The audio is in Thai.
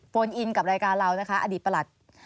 โอนอินกับรายการเรานะคะอดีตประหลัด